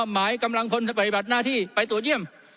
หมายกำลังพลปฏิบัติหน้าที่ไปตรวจเยี่ยม